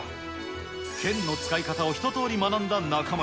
剣の使い方を一とおり学んだ中丸。